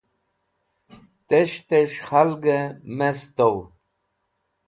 Tes̃h tẽs̃h khalgẽ me sẽtow.